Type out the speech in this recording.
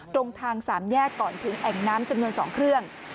ตรงทาง๓แยกก่อนถึงแอ่งน้ำจำนวน๒เครื่อง